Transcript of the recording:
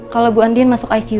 kalau bu andin masuk icu